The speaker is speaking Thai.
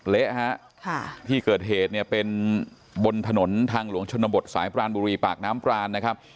เละฮะที่เกิดเหตุเนี่ยเป็นบนถนนทางหลวงชนบทสายปรานบุรีปากน้ำปรานนะครับ